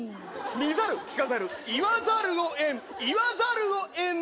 見ざる、聞かざる、言わざるをえん、言わざるをえん。